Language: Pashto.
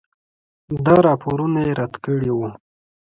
دا راپورونه یې رد کړي وو.